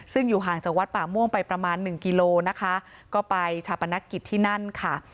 ซึ่งอยู่ห่างจากวัดป่าม่วงไปประมาณหนึ่งกิโลนะคะก็ไปชาปนกิจที่นั่นค่ะ